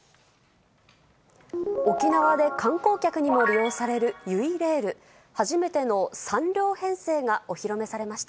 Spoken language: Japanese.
沖縄で観光客にも利用されるゆいレール、初めての３両編成がお披露目されました。